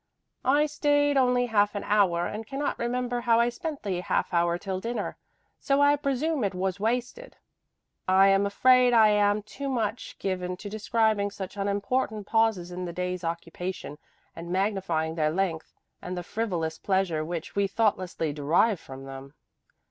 I stayed only half an hour and cannot remember how I spent the half hour till dinner, so I presume it was wasted. I am afraid I am too much given to describing such unimportant pauses in the day's occupation and magnifying their length and the frivolous pleasure which we thoughtlessly derive from them.